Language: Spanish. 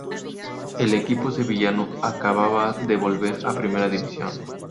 El equipo sevillano acababa de volver a Primera División.